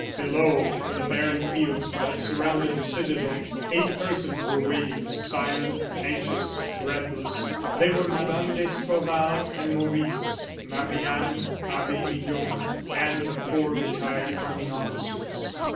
Below, in the barren fields that surrounded the citadel, eight persons were waiting, silent, anxious, breathless. They were Mme. d'Escorval and Maurice, Marie Anne, Abbe Midon, and the four retired army officers.